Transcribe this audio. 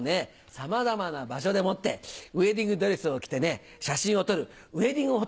さまざまな場所でもってウエディングドレスを着て写真を撮るウエディングフォト。